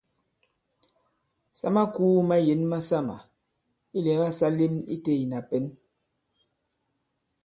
Sa makūu mayěn masamà ilɛ̀gâ sa lēm itē ìna pɛ̌n.